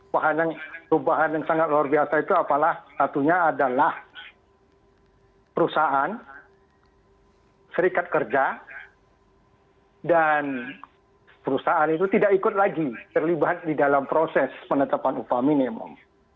wahana perubahan yang sangat luar biasa itu apalah satunya adalah perusahaan serikat pekerja dan perusahaan itu tidak ikut lagi terlibat di dalam proses penetapan upah minimum